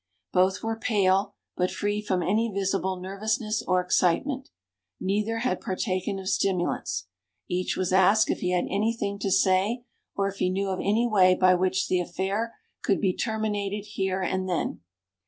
Both were pale, but free from any visible nervousness or excitement. Neither had partaken of stimulants. Each was asked if he had anything to say, or if he knew of any way by which the affair could be terminated there and then.